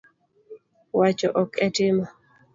Wacho ok e timo